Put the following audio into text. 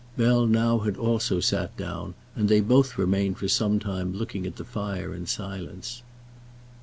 Bell now had also sat down, and they both remained for some time looking at the fire in silence.